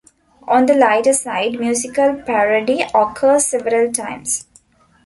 On the lighter side, musical parody occurs several times.